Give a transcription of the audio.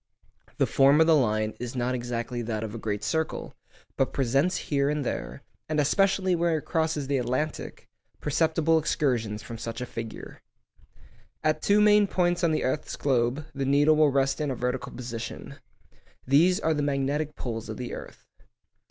The form of the line is not exactly that of a great circle, but presents here and there (and especially where it crosses the Atlantic) perceptible excursions from such a figure. At two points on the earth's globe the needle will rest in a vertical position. These are the magnetic poles of the earth.